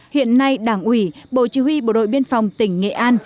hiện nay đảng ủy bộ chỉ huy bộ đội biên phòng tỉnh nghệ an